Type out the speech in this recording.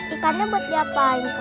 ikan tuh buat diapain kong